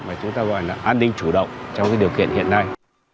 mà chúng ta gọi là an ninh chủ động trong cái điều kiện hiện nay